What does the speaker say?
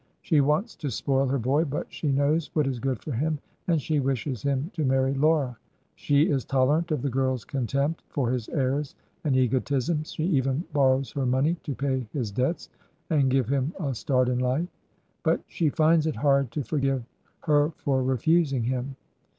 She wants to spoil her boy, but she knows what is good for him, and she wishes him to marry Laura. She is tolerant of the girl's contempt for his airs and egotisms ; she even borrows her money to pay his debts and give him a start in life; but she finds it hard to forgive her for refusing him.